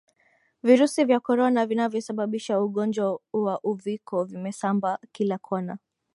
virusi vya corona vinavyosababisha ugonjwa wa Uviko vimesamba kila kona